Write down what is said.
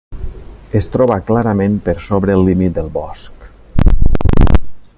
Es troba clarament per sobre el límit del bosc.